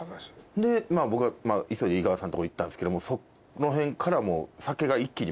で僕は急いで井川さんとこ行ったんすけどその辺からもう。